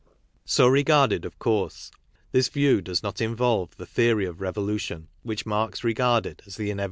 So regarded, of course, this view does not involve the theory of revolution which Marx regarded as the inevit ' Cf.